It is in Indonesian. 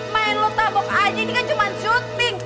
main lu tabok aja ini kan cuma syuting